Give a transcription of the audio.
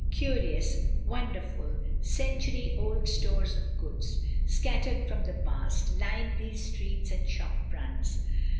Curious, won derful, century old stores of goods, scattered from the past, lined these streets and shop fronts.